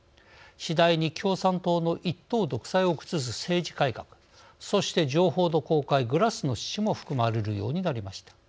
次第に共産党の一党独裁を崩す政治改革そして、情報の公開グラスノスチも含まれました。